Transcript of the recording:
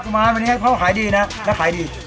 ม้าวันนี้ให้เขาขายดีนะแล้วขายดี